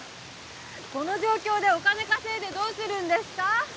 この状況でお金稼いでどうするんですか？